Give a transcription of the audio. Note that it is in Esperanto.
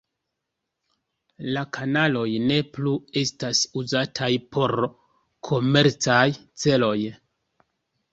La kanaloj ne plu estas uzataj por komercaj celoj.